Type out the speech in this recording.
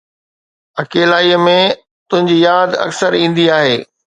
اڪيلائي ۾، تنهنجي ياد اڪثر ايندي آهي